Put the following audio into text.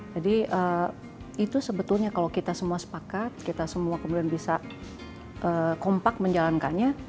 jadi itu sebetulnya kalau kita semua sepakat kita semua kemudian bisa kompak menjalankannya